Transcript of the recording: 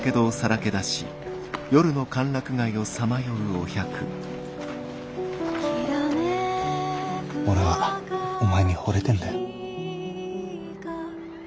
俺はお前にほれてんだよ。